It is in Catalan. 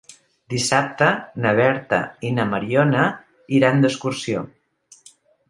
Dissabte na Berta i na Mariona iran d'excursió.